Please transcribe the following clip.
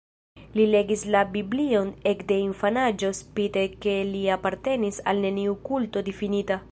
Li legis la Biblion ekde infanaĝo spite ke li apartenis al neniu kulto difinita.